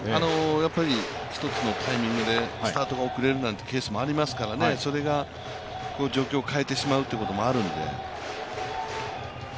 一つのタイミングでスタートが遅れるなんていうケースもありますからそれが状況を変えてしまうこともあるんで。